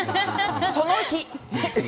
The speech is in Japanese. その日。